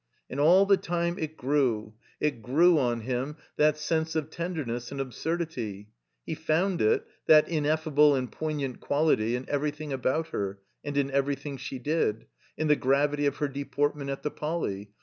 And all the time it grew, it grew on him, that sense of tenderness and absurdity. He found it — that ineffable and poignant quality — ^in everything about her and in everything she did — in the gravity of her deportment at the Poly.